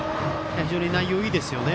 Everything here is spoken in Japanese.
非常に内容いいですよね。